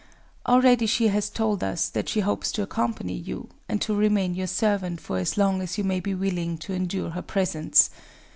Already she has told us that she hopes to accompany you, and to remain your servant for as long as you may be willing to endure her presence.